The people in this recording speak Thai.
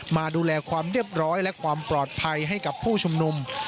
มาดูแลความเรียบร้อยและความปลอดภัยให้กับผู้ชุมนุม